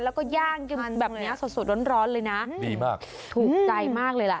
แล้วก็ย่างกินแบบนี้สดร้อนเลยนะดีมากถูกใจมากเลยล่ะ